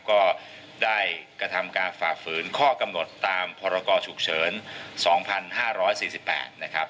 ก็ได้กระทำการฝาฝืนข้อกำหนดตามพรกรฉุกเฉินสองพันห้าร้อยสี่สิบแปดนะครับ